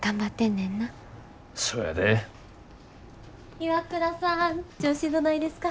岩倉さん調子どないですか？